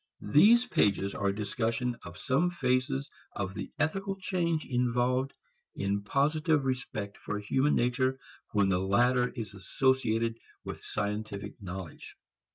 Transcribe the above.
These pages are a discussion of some phases of the ethical change involved in positive respect for human nature when the latter is associated with scientific knowledge.